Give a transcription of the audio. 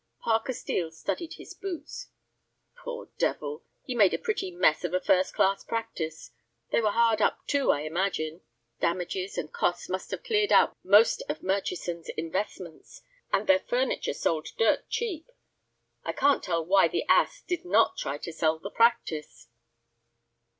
Parker Steel studied his boots. "Poor devil, he made a pretty mess of a first class practice. They were hard up, too, I imagine. Damages and costs must have cleared out most of Murchison's investments, and their furniture sold dirt cheap. I can't tell why the ass did not try to sell the practice."